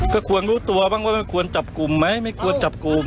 ก็ควรรู้ตัวบ้างว่ามันควรจับกลุ่มไหมไม่ควรจับกลุ่ม